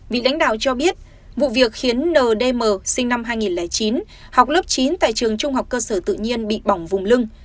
vị đánh đảo cho biết vụ việc khiến n d m sinh năm hai nghìn chín học lớp chín tại trường trung học cơ sở tự nhiên bị bỏng vùng lưng